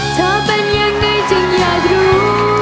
เธอเป็นยังไงจึงอยากรู้